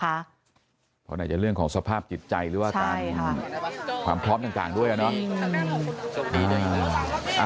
เพราะไหนจะเรื่องของสภาพจิตใจหรือว่าการความพร้อมต่างด้วยอะเนาะ